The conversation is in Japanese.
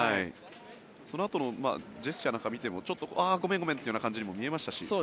そのあとのジェスチャーなんかを見てもちょっとごめん、ごめんというような感じにも見えましたし。